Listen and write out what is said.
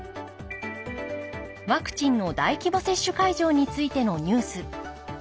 ワクチンの大規模接種会場についてのニュース。